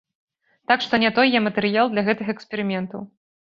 Так што не той я матэрыял для гэтых эксперыментаў.